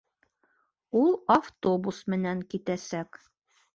Ул автобус менән китәсәк